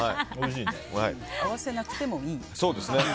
合わせなくてもいい。